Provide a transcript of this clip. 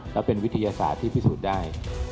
แล้วเป็นวิทยาศาสตร์ที่พิสูจน์ได้